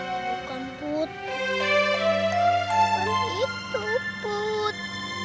bukan put bukan itu put